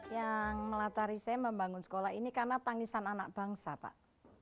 yang melatari saya membangun sekolah ini karena tangisan anak bangsa pak